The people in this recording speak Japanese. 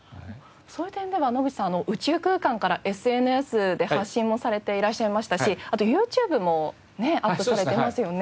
そういう点では野口さん宇宙空間からＳＮＳで発信もされていらっしゃいましたしあとＹｏｕＴｕｂｅもアップされてますよね。